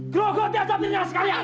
grogo tiap satu piringan sekalian